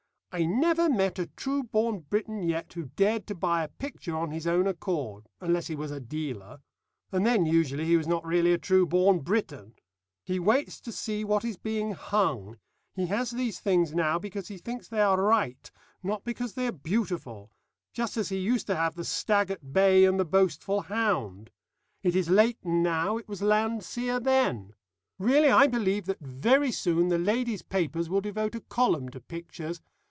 I never met a true born Briton yet who dared to buy a picture on his own accord unless he was a dealer. And then usually he was not really a true born Briton. He waits to see what is being hung. He has these things now because he thinks they are right, not because they are beautiful, just as he used to have the Stag at Bay and the Boastful Hound. It is Leighton now; it was Landseer then. Really I believe that very soon the ladies' papers will devote a column to pictures.